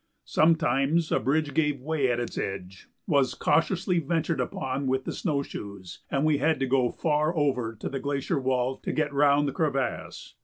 Sometimes a bridge gave way as its edge was cautiously ventured upon with the snow shoes, and we had to go far over to the glacier wall to get round the crevasse.